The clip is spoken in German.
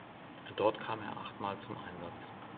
Dort kam er achtmal zum Einsatz.